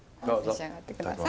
召し上がって下さい。